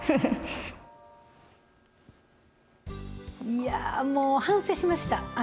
いやー、もう反省しました。